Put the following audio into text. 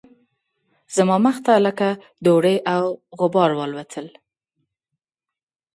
زما مخ ته لکه دوړې او غبار والوتل